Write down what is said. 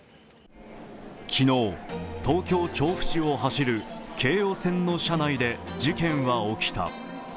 昨日、東京・調布市を走る京王線の車内で事件は起きた。